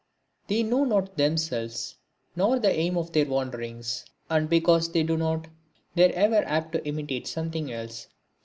They know not themselves, nor the aim of their wanderings; and, because they do not, they are ever apt to imitate something else.